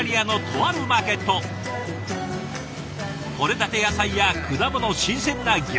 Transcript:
とれたて野菜や果物新鮮な魚介類。